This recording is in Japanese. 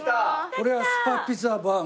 これはスパピザバーグ。